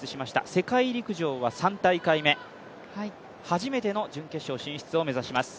世界陸上は３大会目、初めての準決勝進出を目指します。